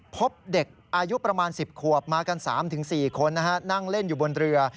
พบเด็กอายุประมาณ๑๐ขวบมากัน๓๔คนนั่งเล่นอยู่บนเรือ